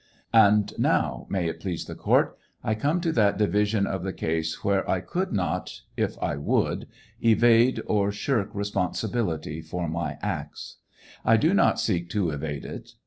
* And now, may it? please the court, I come to that division of the case where I could not if I would evade or shirk responsibility for my acts. I do not seek to evade it.